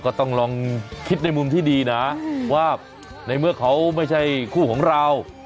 ก็ต้องลองคิดในมุมที่ดีนะว่าในเมื่อเขาไม่ใช่คู่ของเรา